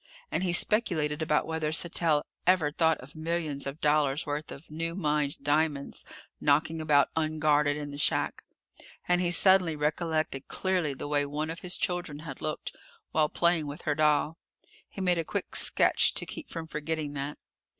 And he speculated about whether Sattell ever thought of millions of dollars' worth of new mined diamonds knocking about unguarded in the shack, and he suddenly recollected clearly the way one of his children had looked while playing with her doll. He made a quick sketch to keep from forgetting that.